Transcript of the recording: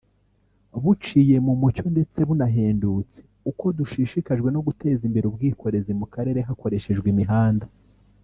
buciye mu mucyo ndetse bunahendutse […] Uko dushishikajwe no guteza imbere ubwikorezi mu karere hakoreshejwe imihanda